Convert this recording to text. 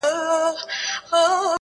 پر زود رنجۍ باندي مي داغ د دوزخونو وهم.